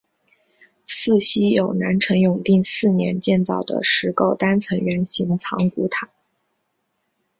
寺西有南陈永定四年建造的石构单层圆形藏骨塔。